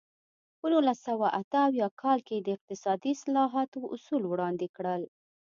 په نولس سوه اته اویا کال کې د اقتصادي اصلاحاتو اصول وړاندې کړل.